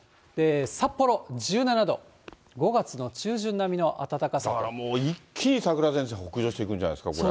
札幌１７度、だからもう、一気に桜前線、北上してくるんじゃないですか、これ。